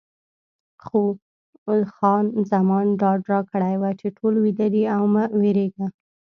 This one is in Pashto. خو خان زمان ډاډ راکړی و چې ټول ویده دي او مه وېرېږه.